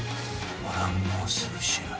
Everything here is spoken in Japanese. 俺はもうすぐ死ぬ。